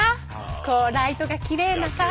こうライトがきれいなさ